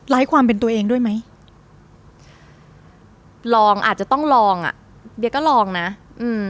ความเป็นตัวเองด้วยไหมลองอาจจะต้องลองอ่ะเดียก็ลองนะอืม